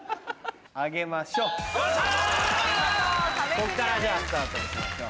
ここからスタートにしましょう。